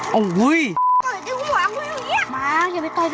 เออกูไม่มีไรให้ต่อย